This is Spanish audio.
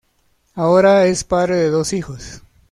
Ahora es padre de dos hijos.